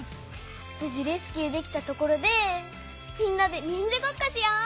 ぶじレスキューできたところでみんなでにんじゃごっこしよ！